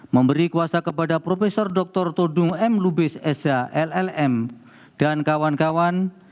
memberi kuasa kepada prof dr todung m lubis sh llm dan kawan kawan